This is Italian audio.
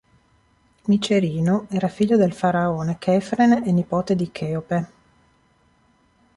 Micerino era figlio del faraone Chefren e nipote di Cheope.